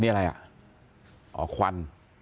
นี่อะไรอ่ะอ๋อควัน